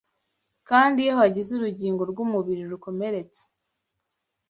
kandi iyo hagize urugingo rw’umubiri rukomeretse